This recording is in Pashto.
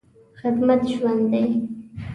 خدمت ژوند دی.